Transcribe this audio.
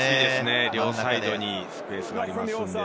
両サイドにスペースがあります。